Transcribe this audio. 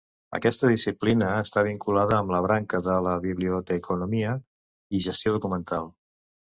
Aquesta disciplina està vinculada amb la branca de biblioteconomia i gestió documental.